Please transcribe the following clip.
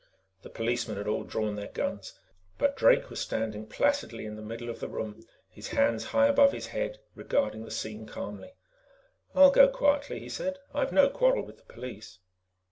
The policemen had all drawn their guns, but Drake was standing placidly in the middle of the room, his hands high above his head regarding the scene calmly. "I'll go quietly," he said. "I've got no quarrel with the police."